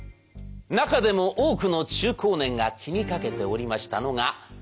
中でも多くの中高年が気にかけておりましたのが血圧。